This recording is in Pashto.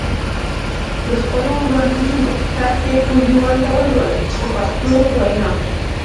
د خپلو وړاندیزونو طرحې ټولګیوالو ته ولولئ په پښتو وینا.